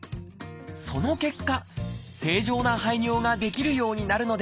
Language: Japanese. その結果正常な排尿ができるようになるのです。